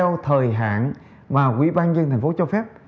theo thời hạn mà quỹ ban dân thành phố cho phép